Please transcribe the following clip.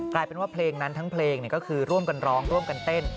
กลายเป็นว่าเพลงนั้นทั้งเพลงก็คือร่วมกันร้องร่วมกันเต้น